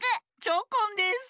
チョコンです。